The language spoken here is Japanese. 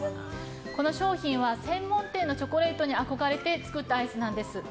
この商品は専門店のチョコレートに憧れて作ったアイスなんです。